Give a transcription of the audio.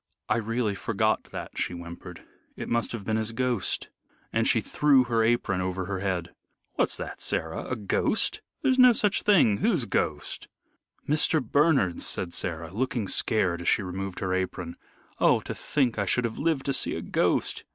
"I really forgot that," she whimpered. "It must have been his ghost," and she threw her apron over her head. "What's that, Sarah? A ghost! There's no such thing. Whose ghost?" "Mr. Bernard's," said Sarah, looking scared, as she removed her apron. "Oh, to think I should have lived to see a ghost.